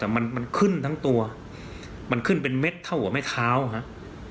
แต่มันมันขึ้นทั้งตัวมันขึ้นเป็นเม็ดเท่ากับไม้เท้าฮะ